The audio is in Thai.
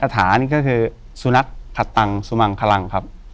ฐานี่ก็คือสุนัขผัตตังสุมังคลังครับ